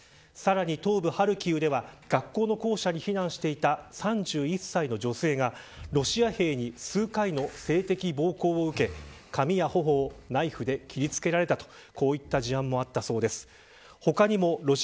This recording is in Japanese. さらに東部ハルキウでは学校の校舎に避難していた３１歳の女性がロシア兵に数回の性的暴行を受け髪や頬をナイフで切りつけられたこういった事案もあったそうです。